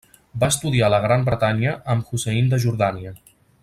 Va estudiar a la Gran Bretanya amb Hussein de Jordània.